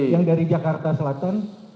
yang dari jakarta selatan